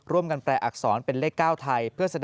ร่วมกันแปลอักษรเป็นเลขได้ไทย